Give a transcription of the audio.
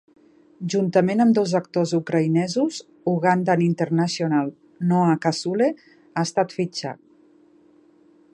Juntament amb dos actors ucraïnesos, Ugandan international, Noah Kasule, ha estat fitxat.